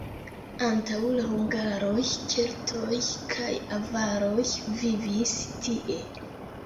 Antaŭ la hungaroj keltoj kaj avaroj vivis tie.